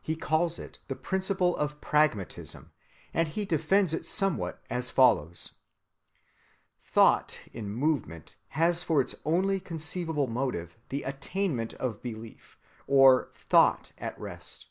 He calls it the principle of pragmatism, and he defends it somewhat as follows:(295)— Thought in movement has for its only conceivable motive the attainment of belief, or thought at rest.